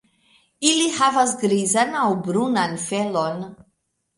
Ili havas grizan aŭ brunan felon.